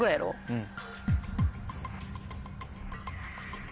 うん。